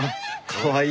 かわいい。